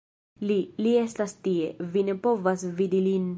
Li, li estas tie, vi ne povas vidi lin.